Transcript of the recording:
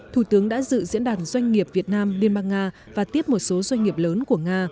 thủ tướng đã dự diễn đàn doanh nghiệp việt nam liên bang nga và tiếp một số doanh nghiệp lớn của nga